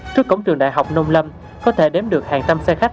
trước cổng trường đại học nông lâm có thể đếm được hàng trăm xe khách